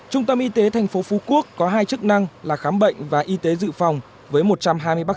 trung tâm y tế thành phố phú quốc có hai chức năng là khám bệnh và y tế dự phòng với một trăm hai mươi bác